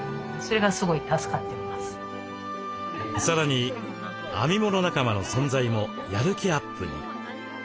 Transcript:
さらに編み物仲間の存在もやる気アップに！